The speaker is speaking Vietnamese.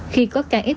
khi có kf f một